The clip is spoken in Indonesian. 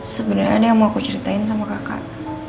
sebenarnya ada yang mau aku ceritain sama kakak